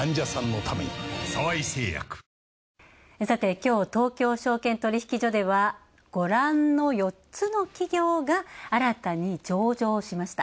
きょう、東京証券取引所ではご覧の４つの企業が新たに上場しました。